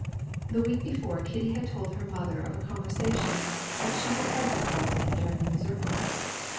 The week before, Kitty had told her mother of a conversation she had with Vronsky during a mazurka.